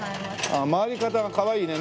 ああ回り方がかわいいね。